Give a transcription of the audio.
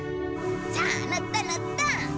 さあ乗った乗った。